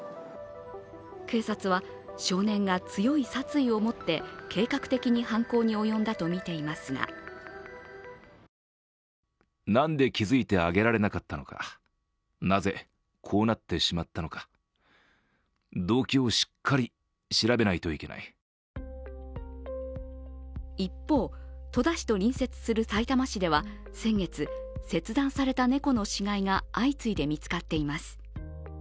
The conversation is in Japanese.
警察は少年が強い殺意を持って計画的に犯行に及んだとみていますが一方、戸田市と隣接するさいたま市では先月、切断された猫の死骸が相次いで見つかっています。